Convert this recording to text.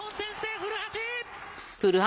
古橋！